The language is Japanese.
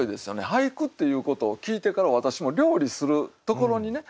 俳句っていうことを聞いてから私も料理するところにね